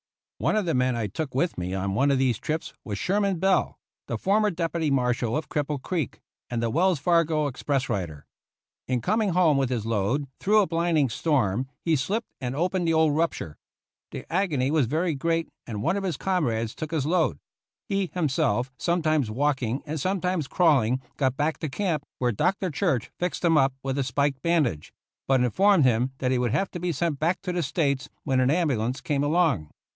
One of the men I took with me on one of these trips was Sherman Bell, the former Deputy Mar shal of Cripple Creek, and Wells Fargo Express rider. In coming home with his load, through a blinding storm, he slipped and opened the old rupture. The agony was very great and one of his comrades took his load. He himself, some times walking, and sometimes crawling, got back to camp, where Dr. Church fixed him up with a spike bandage, but informed him that he would have to be sent back to the States when an am bulance came along.